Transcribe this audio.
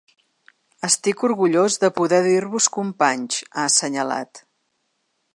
“Estic orgullós de poder dir-vos companys”, ha assenyalat.